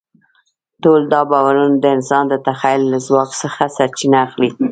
ټول دا باورونه د انسان د تخیل له ځواک څخه سرچینه اخلي.